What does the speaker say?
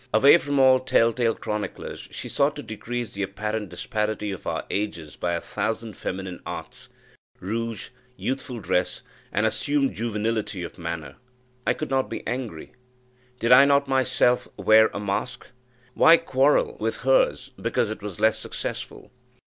Away from all tell tale chroniclers, she sought to decrease the apparent disparity of our ages by a thousand feminine arts rouge, youthful dress, and assumed juvenility of manner. I could not be angry. Did I not myself wear a mask? Why quarrel with hers, because it was less successful?